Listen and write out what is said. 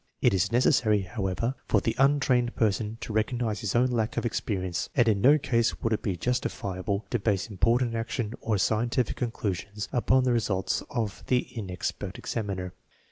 It is necessary, however, for the untrained person to recognize his own lack of experience, and in no case would it be justifiable to base important action or scientific conclusions upon the results of the inexpert examiner.